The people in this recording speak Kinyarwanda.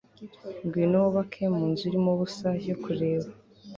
Ngwino wubake mu nzu irimo ubusa yo kureba